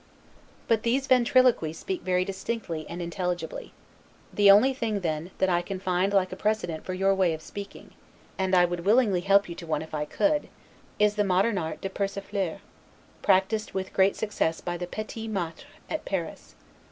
But these Ventriloqui speak very distinctly and intelligibly. The only thing, then, that I can find like a precedent for your way of speaking (and I would willingly help you to one if I could) is the modern art 'de persifler', practiced with great success by the 'Petits maitres' at Paris.